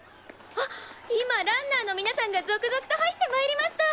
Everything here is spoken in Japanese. あっ今ランナーのみなさんが続々と入ってまいりました！」。